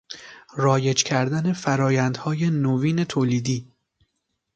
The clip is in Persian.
رایج کردن فرآیندهای نوین تولیدی